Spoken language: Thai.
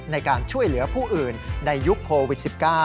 ในการช่วยเหลือผู้อื่นในยุคโควิด๑๙